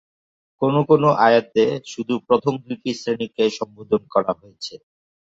কোন কোন আয়াতে শুধু প্রথম দুটি শ্রেণীকে সম্বোধন করা হয়েছে।